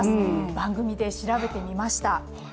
番組で調べてみました。